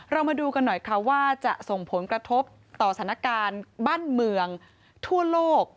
มาดูกันหน่อยค่ะว่าจะส่งผลกระทบต่อสถานการณ์บ้านเมืองทั่วโลก